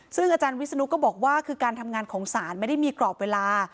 ซึ่งอาจารย์วิศนุก็บอกว่าคือการทำงานของศาลไม่ได้มีกรอบเวลา